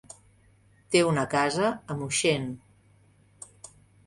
Té una casa a Moixent.